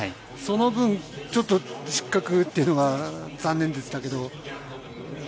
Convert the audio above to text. その分、ちょっと失格っていうのが残念でしたけど。